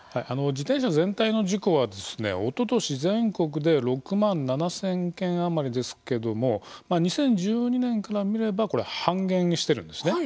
自転車全体の事故はおととし全国で６万７，０００件余りですけどもまあ２０１２年から見ればこれ半減してるんですね。